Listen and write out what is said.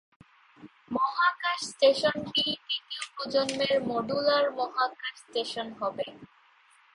মহাকাশ স্টেশনটি তৃতীয় প্রজন্মের মডুলার মহাকাশ স্টেশন হবে।